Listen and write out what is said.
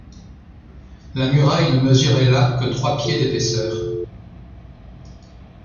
La muraille ne mesurait là que trois pieds d’épaisseur